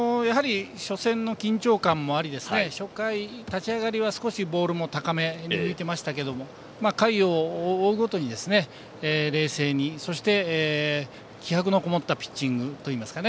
初戦の緊張感もあり初回、立ち上がりは少しボールも高めに浮いていましたけれども回を追うごとに冷静にそして、気迫のこもったピッチングといいますか。